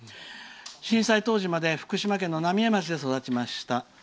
震災当時まで福島県の浪江町で育ちました」。